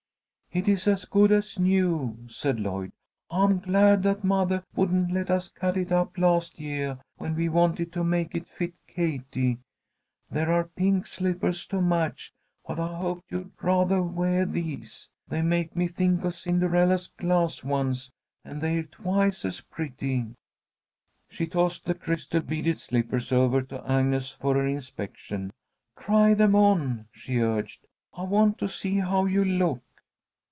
"It's as good as new," said Lloyd. "I'm glad that mothah wouldn't let us cut it up last yeah, when we wanted to make it fit Katie. There are pink slippahs to match, but I hoped you'd rathah weah these. They make me think of Cinderella's glass ones, and they're twice as pretty." She tossed the crystal beaded slippers over to Agnes for her inspection. "Try them on," she urged. "I want to see how you'll look."